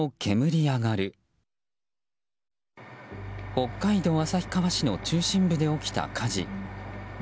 北海道旭川市の中心部で起きた火事。